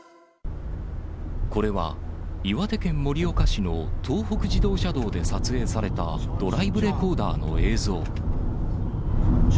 これは岩手県盛岡市の東北自動車道で撮影されたドライブレコーダーの映像。